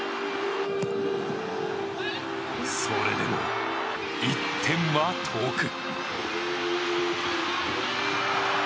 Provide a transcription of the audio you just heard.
それでも、１点は遠く。